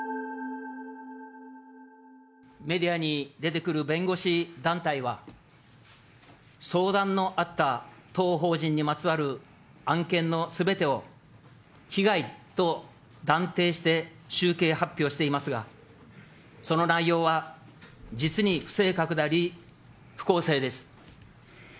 メディアに出てくる弁護士団体は、相談のあった当法人にまつわる案件のすべてを、被害と断定して集計発表していますが、その内容は実に不正確であり、不公正です。